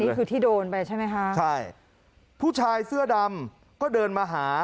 นี่คือที่โดนไปใช่ไหมคะใช่ผู้ชายเสื้อดำก็เดินมาหา